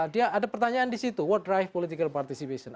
dia ada pertanyaan di situ what drive political participation